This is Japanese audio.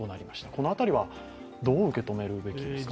この辺りはどう受け止めるべきですか？